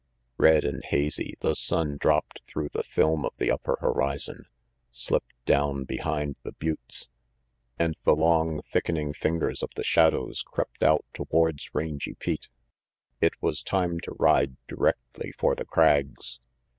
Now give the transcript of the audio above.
Red and hazy, the sun dropped through the film of the upper horiaon, slipped down behind the buttes, RANGY PETE and the long, thickening fingers of the shadows crept out towards Rangy Pete. It was time to ride directly for the Crags.